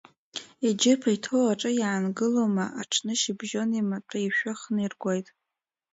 Иџьыба иҭоу аҿы иаангылома, аҽнышьыбжьон имаҭәа ишәыхны иргоит.